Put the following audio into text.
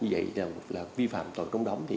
như vậy là vi phạm tội trốn đóng